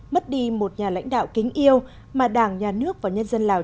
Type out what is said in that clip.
mất đi một nhà lãnh đạo kính yêu mà đảng nhà nước và nhân dân lào